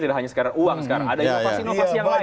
tidak hanya sekarang uang sekarang ada inovasi inovasi yang lain